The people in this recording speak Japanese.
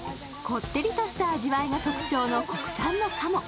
こってりとした味わいが特徴の国産の鴨。